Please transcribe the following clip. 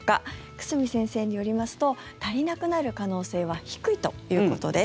久住先生によりますと足りなくなる可能性は低いということです。